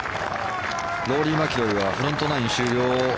ローリー・マキロイはフロントナイン終了